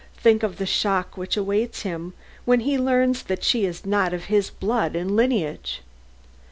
Think of the shock which awaits him, when he learns that she is not of his blood and lineage!"